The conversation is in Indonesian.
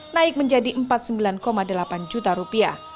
naik menjadi rp empat puluh sembilan delapan juta